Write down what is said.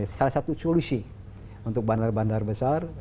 salah satu solusi untuk bandar bandar besar